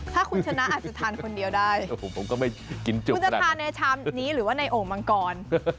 ถ้าคุณชนะอาจจะทานคนเดียวได้ผมก็ไม่กินจุคุณจะทานในชามนี้หรือว่าในโอ่งมังกร